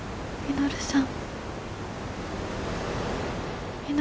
稔さん。